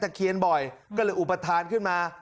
เคียนบ่อยก็เลยอุปทานขึ้นมา